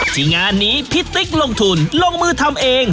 ที่งานนี้พี่ติ๊กลงทุนลงมือทำเอง